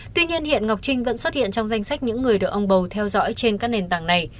tuy nhiên hiện ngọc trinh vẫn xuất hiện trong danh sách những người được ông bầu theo dõi trên các nền tảng này